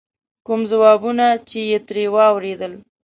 کوم ځوابونه چې یې ترې واورېدل.